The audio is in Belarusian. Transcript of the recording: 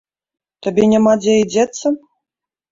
Табе няма дзе і дзецца?